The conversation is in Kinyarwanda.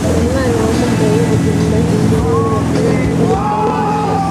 umwana wamugaye agenda imbere yabagore babiri bambaye ingofero